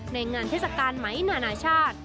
ในงานเทศกาลไหมนานาชาติ